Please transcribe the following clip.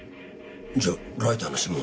じゃライターの指紋。